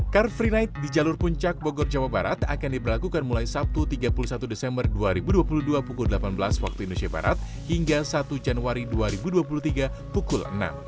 car free night di jalur puncak bogor jawa barat akan diberlakukan mulai sabtu tiga puluh satu desember dua ribu dua puluh dua pukul delapan belas waktu indonesia barat hingga satu januari dua ribu dua puluh tiga pukul enam